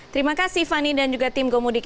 terima kasih fani dan juga tim gomudik